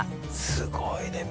すごいね。